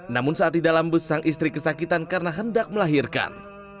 namun saat tidak lambus sang istri kesakitan karena hendak melahirkan